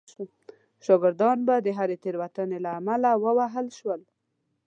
شاګردان به د هرې تېروتنې له امله ووهل شول.